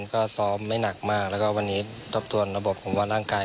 ก็ซ้อมไม่หนักมากแล้วก็วันนี้ทบทวนระบบของบ้านร่างกาย